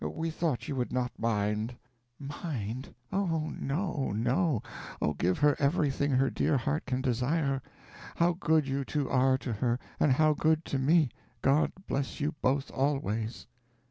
We thought you would not mind." "Mind? Oh no, no oh, give her everything her dear heart can desire. How good you two are to her, and how good to me! God bless you both always!"